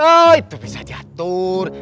oh itu bisa diatur